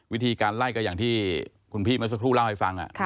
วิธีการไล่ก็อย่างที่คุณพี่เมื่อสักครู่เล่าให้ฟัง